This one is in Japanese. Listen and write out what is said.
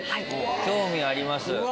興味あります。